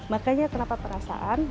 makanya kenapa perasaan